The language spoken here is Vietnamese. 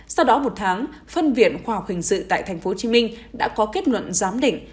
sau đó một tháng phân viện khoa học hình sự tại tp hcm đã có kết luận giám định